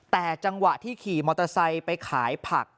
แต่จังหวะที่ขี่มอเตอร์ไซค์ไปขายผัก